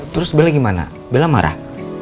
terus bella gimana bela marah